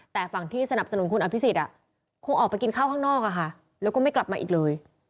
แต่ฝั่งที่สนับสนุนคุณอภิษฎคงออกไปกินข้าวข้างนอกแล้วก็ไม่กลับมาอีกเลย